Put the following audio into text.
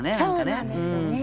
そうなんですよね。